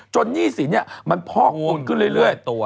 จนนี่สิเนี่ยมันพอกกดขึ้นเรื่อย